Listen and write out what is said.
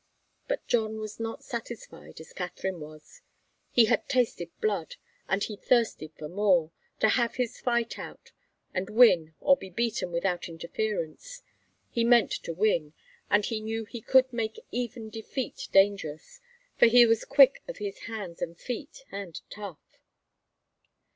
But John was not satisfied, as Katharine was. He had tasted blood, and he thirsted for more to have his fight out, and win or be beaten without interference. He meant to win, and he knew he could make even defeat dangerous, for he was quick of his hands and feet, and tough.